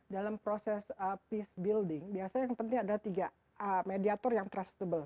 dalam proses peace building biasanya yang penting adalah tiga mediator yang tracetable